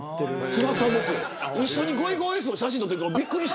一緒にゴイゴイスーの写真撮ってて、びっくりして。